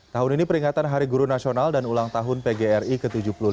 tahun ini peringatan hari guru nasional dan ulang tahun pgri ke tujuh puluh lima